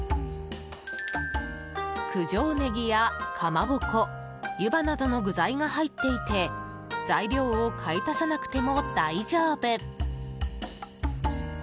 九条ネギや、かまぼこ湯葉などの具材が入っていて材料を買い足さなくても大丈夫。